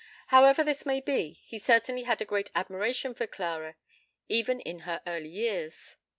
However this may be, he certainly had a great admiration for Clara even in her early years.